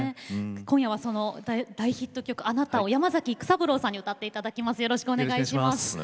今夜はその大ヒット曲「あなた」を山崎育三郎さんに歌っていただきます。